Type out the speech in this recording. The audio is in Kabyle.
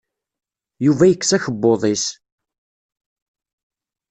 Yuba yekkes akebbuḍ-is.